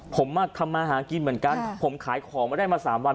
ผมทำมาหากินเหมือนกันผมขายของไม่ได้มา๓วัน